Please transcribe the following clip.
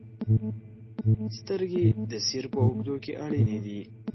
• سترګې د سیر په اوږدو کې اړینې دي.